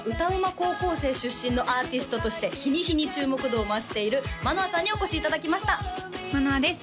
高校生出身のアーティストとして日に日に注目度を増している舞乃空さんにお越しいただきました舞乃空です